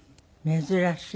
珍しい。